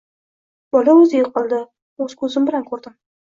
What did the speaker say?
Bola o'zi yiqildi. O'z ko'zim bilan ko'rdim.